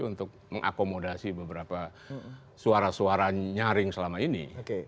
untuk mengakomodasi beberapa suara suara nyaring selama ini